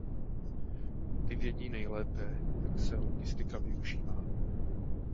Ty vědí nejlépe, jak se logistika využívá.